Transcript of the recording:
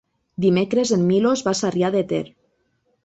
Dimecres en Milos va a Sarrià de Ter.